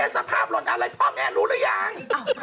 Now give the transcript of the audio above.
สภาพหล่นอะไรพ่อแม่รู้หรือยัง